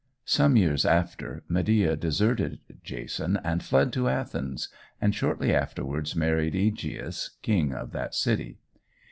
Some years after, Medea deserted Jason and fled to Athens, and shortly afterwards married Ægeus, king of that city.